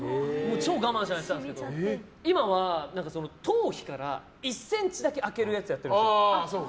超我慢しながらやってたんですけど今は頭皮から１ｃｍだけ空けるやつやってるんですよ。